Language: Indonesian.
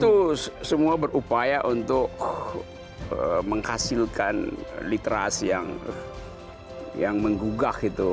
tentu semua berupaya untuk menghasilkan literasi yang menggugah gitu